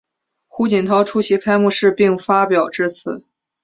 胡锦涛出席开幕式并发表致辞。